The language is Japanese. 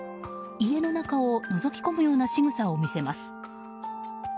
家の中をのぞき込むようなしぐさを見せます。